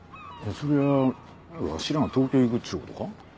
そりゃわしらが東京行くっちゅうことか？